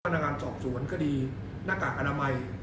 รการสอบสวนคติหน้ากากอนามัย